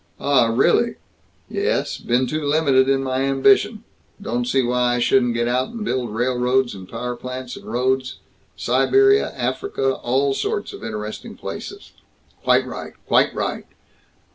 "Ah. Really?" "Yes. Been too limited in my ambition. Don't see why I shouldn't get out and build railroads and power plants and roads Siberia, Africa, all sorts of interesting places." "Quite right. Quite right.